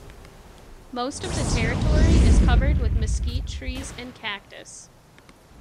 Most of the territory is covered with mesquite trees and cactus.